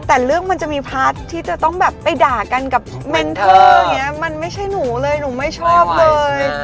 แต่เรื่องมันจะมีพาร์ทที่จะต้องแบบไปด่ากันกับเมนเทอร์อย่างนี้มันไม่ใช่หนูเลยหนูไม่ชอบเลย